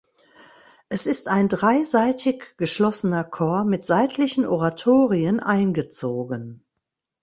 Es ist ein dreiseitig geschlossener Chor mit seitlichen Oratorien eingezogen.